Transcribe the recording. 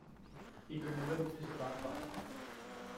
He could never resist a bad pun.